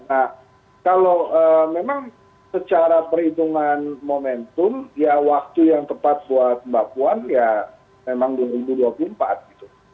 nah kalau memang secara perhitungan momentum ya waktu yang tepat buat mbak puan ya memang dua ribu dua puluh empat gitu